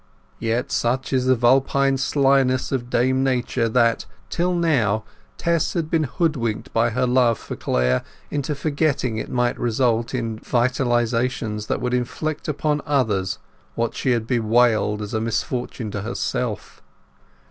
Yet such is the vulpine slyness of Dame Nature, that, till now, Tess had been hoodwinked by her love for Clare into forgetting it might result in vitalizations that would inflict upon others what she had bewailed as misfortune to herself.